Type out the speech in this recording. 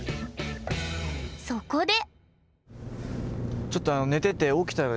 そこで！